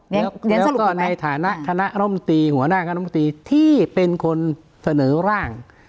แล้วก็ในฐานะรมศิษย์หัวหน้าการรมศิษย์ที่เป็นคนเสนอร่าง